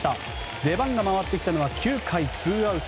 出番が回ってきたのは９回ツーアウト。